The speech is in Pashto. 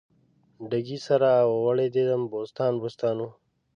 ډاګی سر او دړیدم بوستان بوستان و